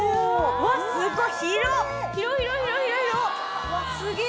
うわすごい！